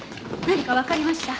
何かわかりました？